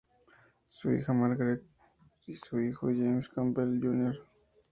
Su hija Margaret, su hijo James Campbell, Jr.